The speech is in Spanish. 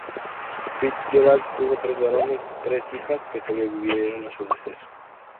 FitzGerald tuvo tres varones y tres hijas, que l sobrevivieron a su deceso.